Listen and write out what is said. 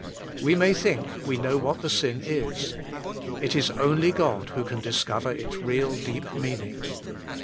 We may think we know what the sin is : it is only God who can discover its real deep meaning.